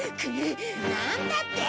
なんだって！？